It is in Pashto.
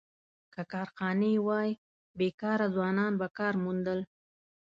که کارخانې وای، بېکاره ځوانان به کار موندل.